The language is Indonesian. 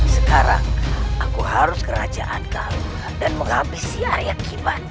sekarang aku harus kerajaan kau dan menghabisi arya kiman